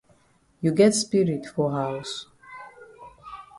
You get spirit for haus?